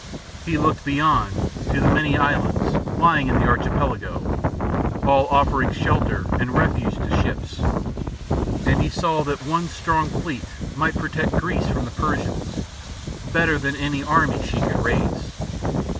He looked beyond, to the many islands, lying in the Archi pelago, all offering shelter and refuge to ships, and he saw that one strong fleet, might protect Greece from the Persians, better than any army she could raise.